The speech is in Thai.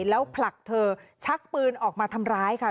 แล้วผลักเธอชักปืนออกมาทำร้ายค่ะ